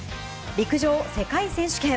陸上世界選手権。